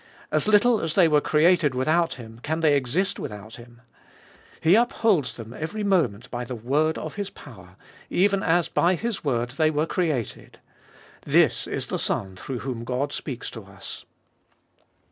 As little as they were created without Him, can they exist without Him ? He upholds them every moment by the word of His power, even as by His word they were created. This is the Son through whom God speaks to us.